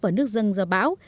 và nước dân do bạo